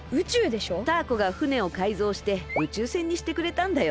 タアコが船をかいぞうして宇宙船にしてくれたんだよ。